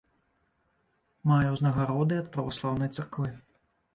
Мае ўзнагароды ад праваслаўнай царквы.